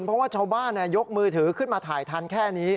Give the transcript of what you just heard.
เพราะว่าชาวบ้านยกมือถือขึ้นมาถ่ายทันแค่นี้